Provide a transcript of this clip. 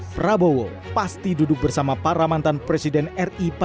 prabowo pasti duduk bersama para mantan presiden ri